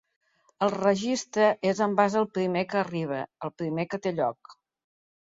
El registre és en base el primer que arriba, el primer que té lloc.